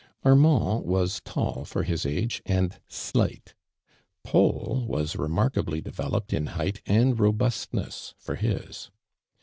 Armand was tall foi' his age. and slight: Paul was remark<d)ly developed in lieight and robiLstness for his.